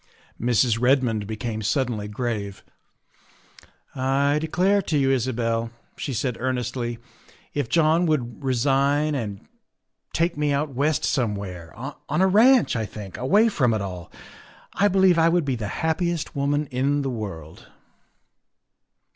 Mrs. Redmond became suddenly grave. " I declare to you, Isabel," she said earnestly, " if John would resign and take me out West somewhere, on a ranch, I think, away from it all, I believe I would be the happiest woman in the world."